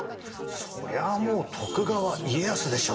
そりゃもう徳川家康でしょ！